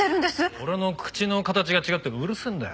俺の口の形が違うってうるせえんだよ。